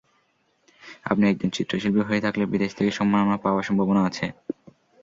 আপনি একজন চিত্রশিল্পী হয়ে থাকলে বিদেশ থেকে সম্মাননা পাওয়ার সম্ভাবনা আছে।